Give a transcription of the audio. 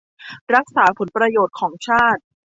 รักษาผลประโยชน์ของชาติ